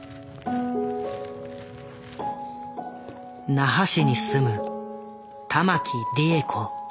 那覇市に住む玉木利枝子。